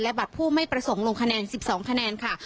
บัตรผู้ไม่ประสงค์ลงคะแนน๑๒คะแนนค่ะ